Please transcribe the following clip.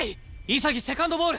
潔セカンドボール！